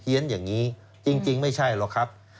เฮียนอย่างงี้จริงไม่ใช่นะครับ